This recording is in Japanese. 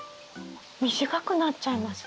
短くなっちゃいます？